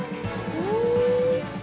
うん。